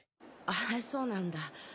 あっそうなんだ。